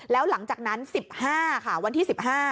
แล้วหลังจากนั้นวันที่๑๕